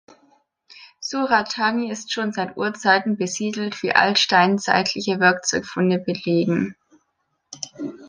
Surat Thani ist schon seit Urzeiten besiedelt, wie altsteinzeitliche Werkzeugfunde belegen.